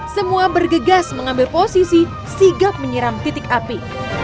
semua bergegas mengambil posisi sigap menyiram titik api